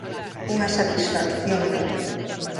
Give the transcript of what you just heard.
Unha satisfacción enorme.